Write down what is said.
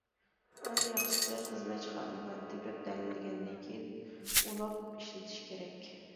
ئەڭ ياخشىسى خىزمەتچى خادىملارنى تېپىپ دەلىللىگەندىن كېيىن ئۇلاپ ئىشلىتىش كېرەك.